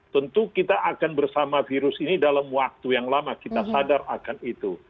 tentu kita akan bersama virus ini dalam waktu yang lama kita sadar akan itu